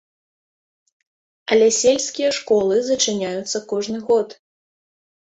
Але сельскія школы зачыняюцца кожны год.